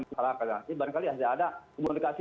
masyarakat ibaratnya ada komunikasi